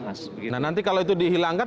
mas begitu nah nanti kalau itu dihilangkan